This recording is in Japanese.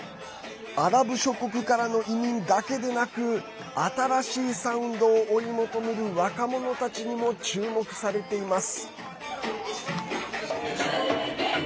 アラブ諸国からの移民だけでなく新しいサウンドを追い求める若者たちにも注目されています。